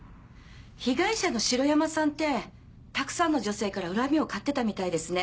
被害者の城山さんってたくさんの女性から恨みを買ってたみたいですね。